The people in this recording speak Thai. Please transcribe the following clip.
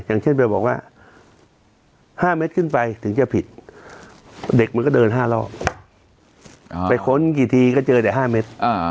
อย่างเช่นไปบอกว่า๕เมตรขึ้นไปถึงจะผิดเด็กมันก็เดิน๕รอบไปค้นกี่ทีก็เจอแต่๕เมตร